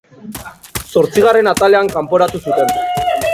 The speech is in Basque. Zortzigarren atalean kanporatu zuten.